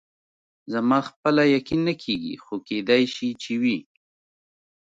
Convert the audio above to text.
زما خپله یقین نه کېږي، خو کېدای شي چې وي.